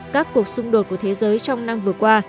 các cuộc xung đột của thế giới trong năm vừa qua